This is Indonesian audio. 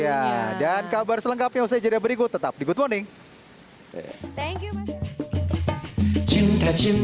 iya dan kabar selengkapnya usaha jadinya berikut tetap di good morning